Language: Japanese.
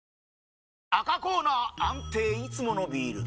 赤コーナー安定いつものビール！